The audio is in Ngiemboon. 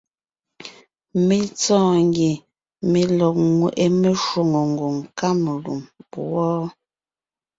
Mé tsɔ́ɔn ngie mé lɔg ńŋweʼe meshwóŋè ngwòŋ Kamalûm wɔ́.